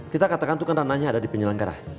kita katakan itu kan ranahnya ada di penyelenggara